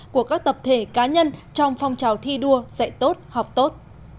của các tập thể cá nhân trong phong trào thi đua dạy tốt học tốt